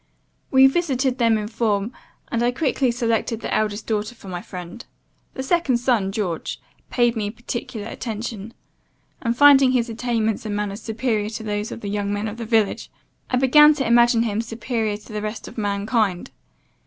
"We visited them in form; and I quickly selected the eldest daughter for my friend. The second son, George, paid me particular attention, and finding his attainments and manners superior to those of the young men of the village, I began to imagine him superior to the rest of mankind.